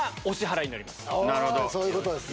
そういうことですね。